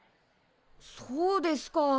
そうですか。